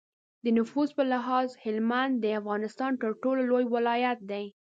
د نفوس په لحاظ هلمند د افغانستان تر ټولو لوی ولایت دی.